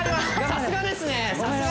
さすがですね